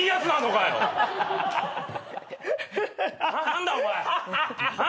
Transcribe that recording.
何だお前！？